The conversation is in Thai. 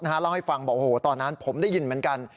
เล่าให้ฟังบอกตอนนั้นผมได้ยินเหมือนกัน